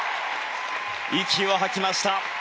息を吐きました。